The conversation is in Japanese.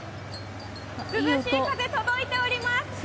涼しい風届いております。